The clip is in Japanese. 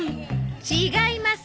違います！